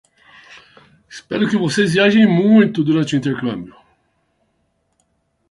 Espero que vocês viajem muito durante o intercâmbio!